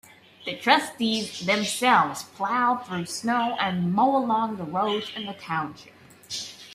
The trustees themselves plow snow and mow along the roads in the township.